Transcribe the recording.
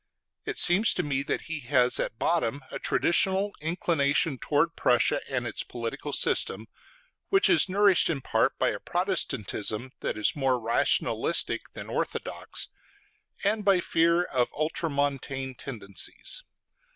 It seems to me that he has at bottom a traditional inclination toward Prussia and its political system, which is nourished in part by a Protestantism that is more rationalistic than orthodox, and by his fear of Ultramontane tendencies.